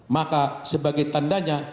maka sebagai tandanya